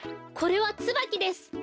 これはつばきです。